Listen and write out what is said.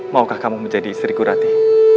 maukah kamu menjadi istriku rati